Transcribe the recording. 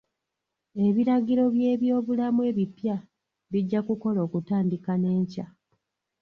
Ebiragiro by'ebyobulamu ebippya bijja kukola okutandika n'enkya.